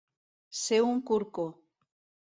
Ser un corcó.